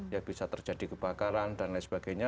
ya bisa terjadi kebakaran dan lain sebagainya